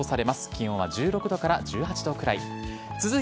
気温は１６度から１８度くらい。